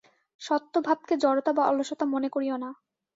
সত্ত্বভাবকে জড়তা বা অলসতা মনে করিও না।